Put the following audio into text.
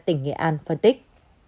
tỉnh nghệ an phân tích